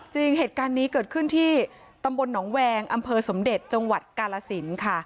เหตุการณ์นี้เกิดขึ้นที่ตำบลหนองแวงอำเภอสมเด็จจังหวัดกาลสินค่ะ